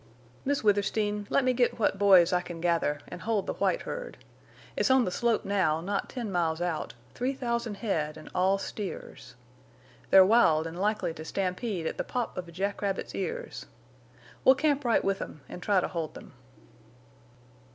"Miss Withersteen, let me get what boys I can gather, an' hold the white herd. It's on the slope now, not ten miles out—three thousand head, an' all steers. They're wild, an' likely to stampede at the pop of a jack rabbit's ears. We'll camp right with them, en' try to hold them."